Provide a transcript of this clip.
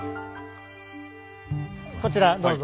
こちらどうぞ。